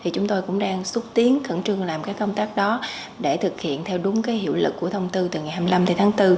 chúng tôi cũng đang xúc tiến khẩn trương làm các công tác đó để thực hiện theo đúng hiệu lực của thông tư từ ngày hai mươi năm tháng bốn